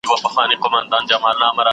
هغه زده کوونکي چي کتابتون ته ځي لايقه دي.